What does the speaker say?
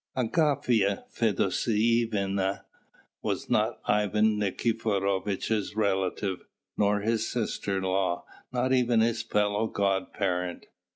Agafya Fedosyevna was not Ivan Nikiforovitch's relative, nor his sister in law, nor even his fellow godparent.